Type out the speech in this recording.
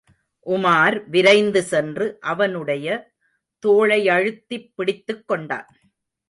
உமார் விரைந்து சென்று, அவனுடைய தோளையழுத்திப் பிடித்துக் கொண்டான்.